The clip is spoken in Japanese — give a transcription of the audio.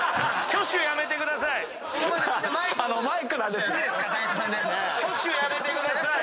挙手やめてください。